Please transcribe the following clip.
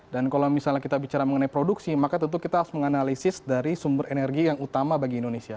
dan kalau misalnya kita bicara mengenai produksi maka tentu kita harus menganalisis dari sumber energi yang utama bagi indonesia